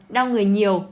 đau người nhiều